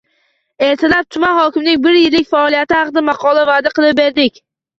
Ertalab tuman hokimining bir yillik faoliyati haqida maqola vaʼda qilib edik.